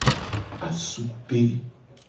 Asupe.